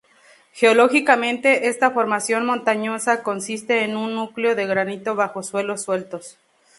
Geológicamente esta formación montañosa consiste en un núcleo de granito bajo suelos sueltos.